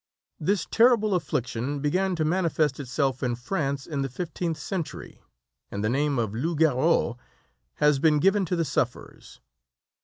"This terrible affliction began to manifest itself in France in the 15th century, and the name of 'loups garous' has been given to the sufferers.